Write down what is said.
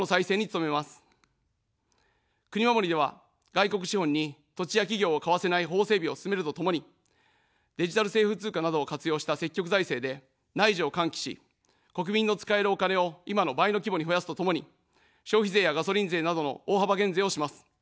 国まもりでは、外国資本に土地や企業を買わせない法整備を進めるとともに、デジタル政府通貨などを活用した積極財政で内需を喚起し、国民の使えるお金を今の倍の規模に増やすとともに、消費税やガソリン税などの大幅減税をします。